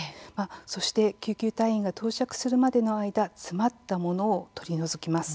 そして救急隊員が到着するまでの間詰まったものを取り除きます。